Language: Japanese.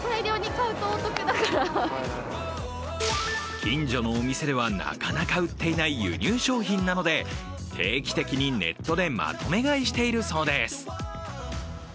近所のお店ではなかなか売っていない輸入商品なので定期的にネットでまとめ買いしているそうです。